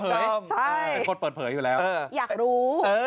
เป็นคนเปิดเผยอยู่แล้วอยากรู้